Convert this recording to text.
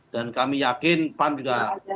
dan kami yakin pan juga